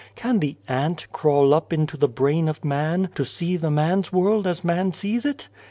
Can the ant crawl up into the brain of man to see man's world as man sees it?